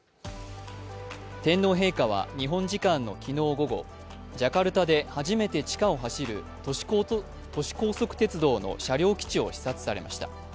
天皇陛下は日本時間の昨日午後、ジャカルタで初めて地下を走る都市高速鉄道の車両基地を視察されました。